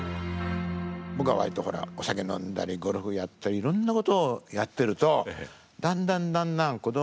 僕は割とお酒飲んだりゴルフやったりいろんなことをやってるとだんだんだんだん子ども